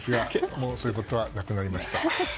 もうそういうことはなくなりました。